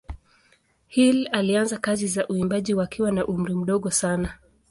Hill alianza kazi za uimbaji wakiwa na umri mdogo sana.